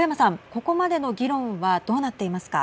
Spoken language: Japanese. ここまでの議論はどうなっていますか。